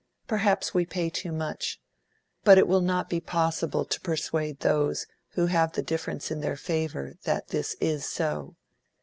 Perhaps we pay too much; but it will not be possible to persuade those who have the difference in their favour that this is so.